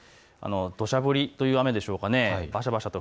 どしゃ降りという雨でしょうか。